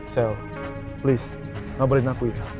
sel please ngabelin aku ya